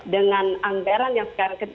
dengan anggaran yang sekarang